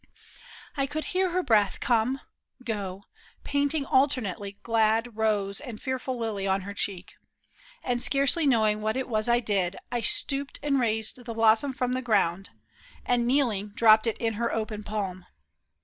I could hear Her breath come, go, painting alternately Glad rose and fearful lily on her cheek, And scarcely knowing what it was I did, I stooped and raised the blossom from the ground, And kneeling, dropped it in her open palm.